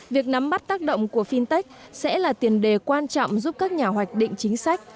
việc nắm bắt tác động của fintech sẽ là tiền đề quan trọng giúp các nhà hoạch định chính sách